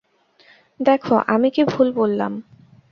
দেখ, আমি কী ভুল বললাম?